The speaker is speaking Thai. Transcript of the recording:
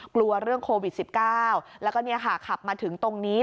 กลัวเรื่องโควิด๑๙แล้วก็ขับมาถึงตรงนี้